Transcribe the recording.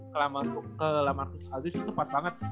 ke marcus aldridge itu tepat banget